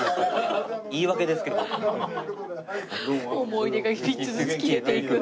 「思い出が３つずつ消えていく」。